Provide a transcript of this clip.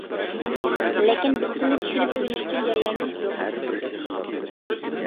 لېكىن بىر تىلنى چۈشىنىپ ئۆگىنىش ئۈچۈن جەريان كېتىدۇ.